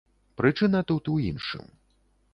Прычына тут у іншым.